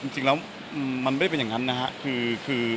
จริงแล้วมันไม่ได้เป็นอย่างนั้นนะครับคือ